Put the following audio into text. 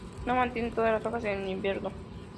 No mantiene todas las hojas en invierno.